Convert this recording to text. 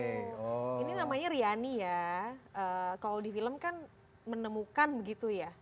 ini namanya riani ya kalau di film kan menemukan begitu ya